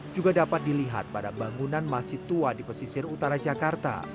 juga dapat dilihat pada bangunan masjid tua di pesisir utara jakarta